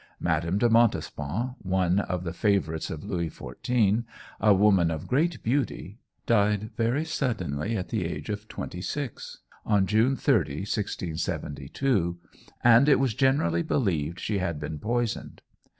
Madame de Montespan, one of the favourites of Louis XIV, a woman of great beauty, died very suddenly at the age of twenty six, on June 30, 1672, and it was generally believed she had been poisoned.